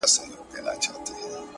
لمن دي نيسه چي په اوښكو يې در ډكه كړمه،